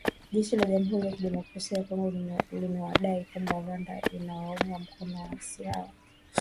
Jeshi la jamuhuri ya kidemokrasia ya Kongo limedai kwamba Rwanda inawaunga mkono waasi hao kutekeleza mashambulizi dhidi ya kambi za jeshi mashariki mwa nchi